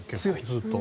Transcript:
ずっと。